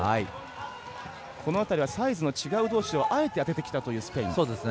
この辺りはサイズの違う同士を当ててきたというスペイン。